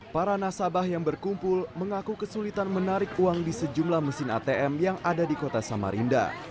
para nasabah yang berkumpul mengaku kesulitan menarik uang di sejumlah mesin atm yang ada di kota samarinda